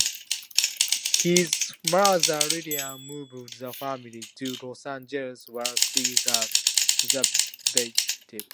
His mother Lillian moved the family to Los Angeles, where she had relatives.